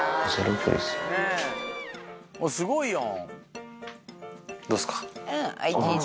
すごいやん！